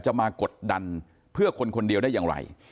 มากดดันเพื่อคนคนเดียวได้อย่างไร